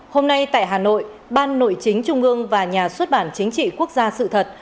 hôm nay tại hà nội ban nội chính trung ương và nhà xuất bản chính trị quốc gia sự thật